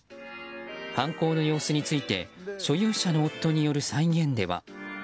犯行の様子について所有者の夫による再現では。